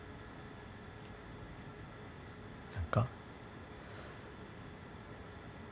何か。